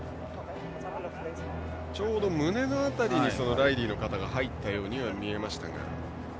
ちょうど胸の辺りにライリーの肩が入ったように見えましたが。